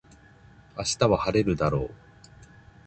明日は晴れるだろう